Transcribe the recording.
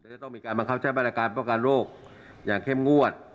จะต้องมีการบังคับใช้มาตรการป้องกันโรคอย่างเข้มงวด